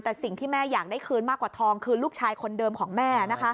แต่สิ่งที่แม่อยากได้คืนมากกว่าทองคือลูกชายคนเดิมของแม่